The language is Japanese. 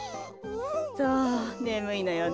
そうねむいのよね。